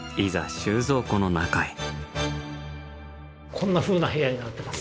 こんなふうな部屋になってます。